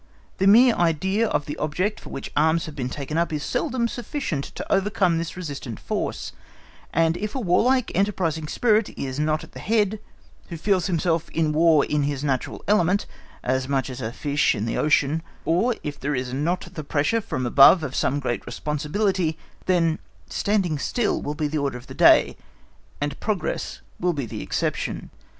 The mere idea of the object for which arms have been taken up is seldom sufficient to overcome this resistant force, and if a warlike enterprising spirit is not at the head, who feels himself in War in his natural element, as much as a fish in the ocean, or if there is not the pressure from above of some great responsibility, then standing still will be the order of the day, and progress will be the exception.